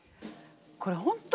これ本当